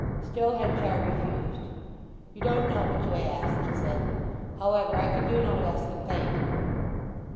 Still Henchard refused. "You don't know what you ask," he said. "However, I can do no less than thank 'ee."